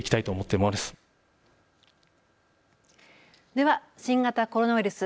では新型コロナウイルス。